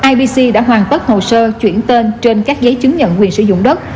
ibc đã hoàn tất hồ sơ chuyển tên trên các giấy chứng nhận quyền sử dụng đất